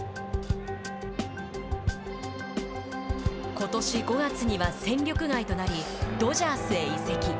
ことし５月には戦力外となりドジャースへ移籍。